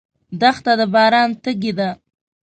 دښته د باران تږې ده.